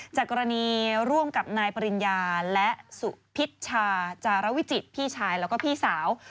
จากกรณีร่วมกับนายปริญญาและสุพิชชาจารวิจิตรพี่ชายแล้วก็พี่สาว